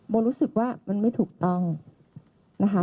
รู้สึกว่ามันไม่ถูกต้องนะคะ